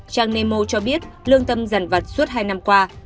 trang nemo cho biết lương tâm giàn vật suốt hai năm qua